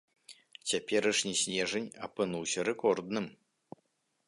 Цяперашні снежань апынуўся рэкордным.